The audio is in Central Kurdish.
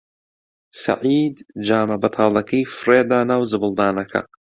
سەعید جامە بەتاڵەکەی فڕێ دا ناو زبڵدانەکە.